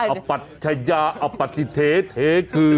อับปะติชายาอับปะติเทที่คือ